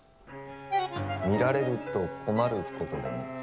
見られると困ることでも？